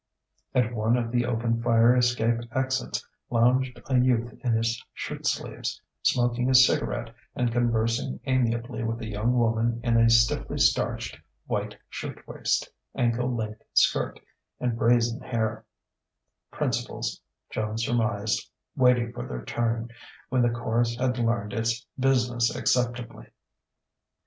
At one of the open fire escape exits lounged a youth in his shirt sleeves, smoking a cigarette, and conversing amiably with a young woman in a stiffly starched white shirtwaist, ankle length skirt, and brazen hair: principals, Joan surmised, waiting for their turn, when the chorus had learned its business acceptably.